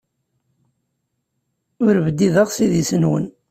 Ur bdideɣ s idis-nwen.